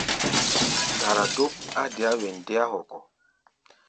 Ndara dóp á deá wen déá hɔkɔ.